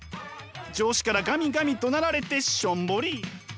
上司からガミガミどなられてしょんぼり。